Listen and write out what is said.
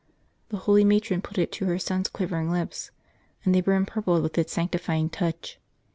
The holy matron put it to her son's quivering lips, and they were empurpled with its sanctifying touch.